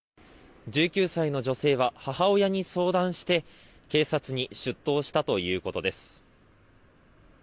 １９歳の女性は母親に相談して警察に出頭したということです。